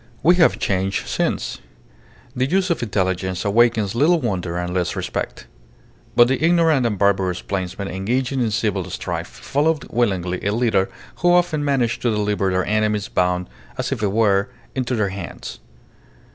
We have changed since. The use of intelligence awakens little wonder and less respect. But the ignorant and barbarous plainsmen engaging in civil strife followed willingly a leader who often managed to deliver their enemies bound, as it were, into their hands.